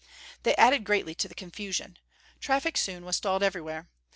They added greatly to the confusion. Traffic soon was stalled everywhere.